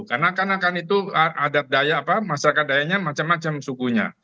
karena kan akan itu adat daya apa masyarakat dayanya macam macam sukunya